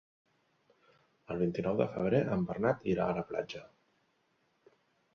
El vint-i-nou de febrer en Bernat irà a la platja.